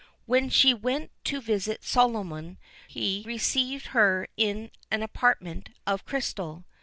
When she went to visit Solomon, he received her in an apartment of crystal.